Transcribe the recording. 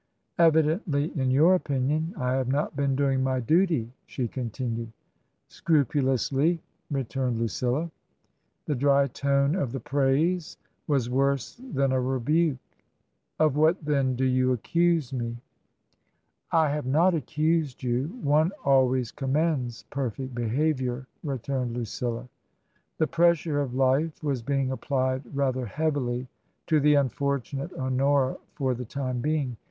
" Evidently, in your opinion, I have not been doing my duty," she continued. " Scrupulously," returned Lucilla. The dry tone of the praise was worse than a rebuke. " Of what, then, do you accuse me ?" 8o TRANSITION. "I have not accused you. One always commends perfect behaviour," returned Lucilla. The pressure of life was being applied rather heavily to the unfortunate Honora for the time being.